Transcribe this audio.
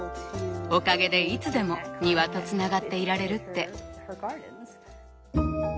「おかげでいつでも庭とつながっていられる」って。